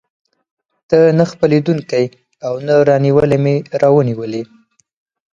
ته نه خپلېدونکی او نه رانیولى مې راونیولې.